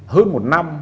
hơn một năm